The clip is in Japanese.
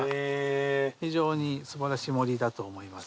非常に素晴らしい森だと思います。